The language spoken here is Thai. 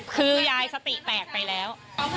คือยายสติแตกไปแล้ว